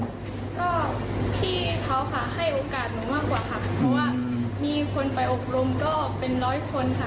ก็พี่เขาค่ะให้โอกาสหนูมากกว่าค่ะเพราะว่ามีคนไปอบรมก็เป็นร้อยคนค่ะ